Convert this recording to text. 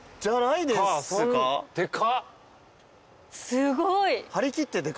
すごい。